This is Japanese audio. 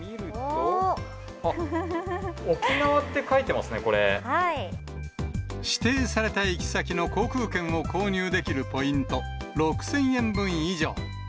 沖縄って書いてますね、指定された行き先の航空券を購入できるポイント６０００円分以上。